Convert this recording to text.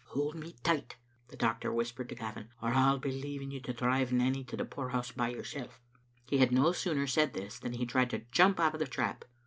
" Hold me tight," the doctor whispered to Gavin, " or I'll be leaving you to drive Nanny to the poorhouse by yourself." He had no sooner said this than he tried to jump out of the trap.